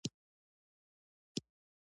مذهبي زغم د ټولنې ثبات ته وده ورکوي.